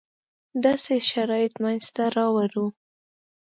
داسې شرایط منځته راوړو.